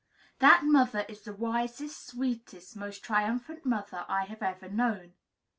That mother is the wisest, sweetest, most triumphant mother I have ever known.